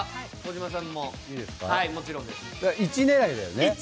１狙いだよね。